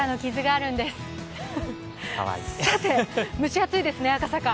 蒸し暑いですね、赤坂。